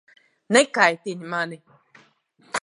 Nekaitini mani!